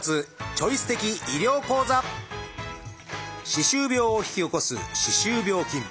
歯周病を引き起こす歯周病菌。